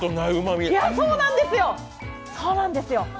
いや、そうなんですよ！